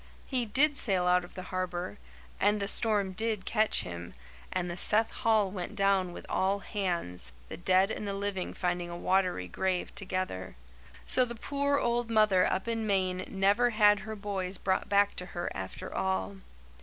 He did sail out of the harbour; and the storm did catch him, and the Seth Hall went down with all hands, the dead and the living finding a watery grave together. So the poor old mother up in Maine never had her boys brought back to her after all.